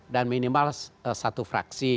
dan minimal satu fraksi